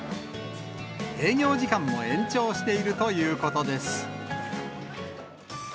営業時間も延長しているということです。